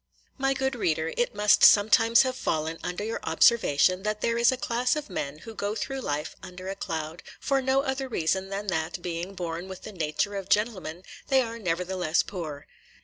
MY good reader, it must sometimes have fallen under your observation that there is a class of men who go through life under a cloud, for no other reason than that, being born with the nature of gentlemen, they are nevertheless poor.